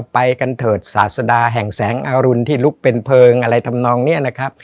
ไปกันเถิดศาสดาแห่งแสงอรุณที่ลุกเป็นเพลิงอะไรทำนองนี้นะครับ